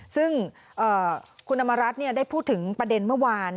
ซึ่งคุณอำมารัฐได้พูดถึงประเด็นเมื่อวาน